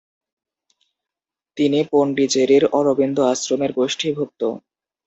তিনি পণ্ডিচেরির অরবিন্দ আশ্রমের গোষ্ঠীভুক্ত।